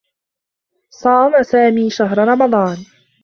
صام سامي شهر رمضان.